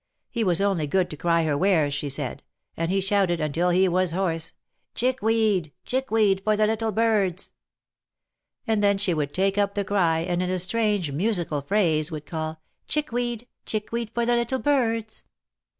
He was only good to cry her wares she said, and he shouted, until he was hoarse : Chickweed ! chickweed for the little birds !" 188 THE MAEKETS OF PAEIS. And then she would take up the cry, and in a strange, musical phrase would call : Chickweed ! chickweed for the little birds